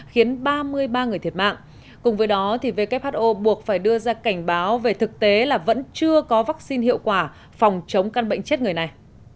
khiến ba mươi ba người thiệt mạng cùng với đó who buộc phải đưa ra cảnh báo về thực tế là vẫn chưa có vaccine hiệu quả phòng chống căn bệnh chết người này